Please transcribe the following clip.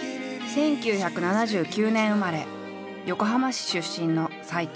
１９７９年生まれ横浜市出身の斎藤。